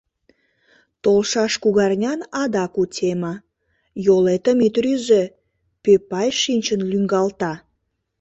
Толшаш кугарнян адак у тема: «Йолетым ит рӱзӧ, пӧпай шинчын лӱҥгалта».